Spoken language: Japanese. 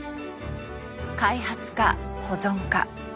開発か保存か。